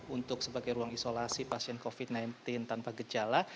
untuk sebagai ruang isolasi pasien covid sembilan belas tanpa gejala